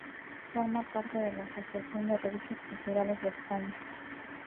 Forma parte de la Asociación de Revistas Culturales de España.